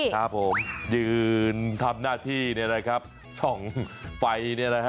ครับผมยืนทำหน้าที่สองไฟ